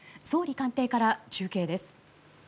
総理官邸から中継です。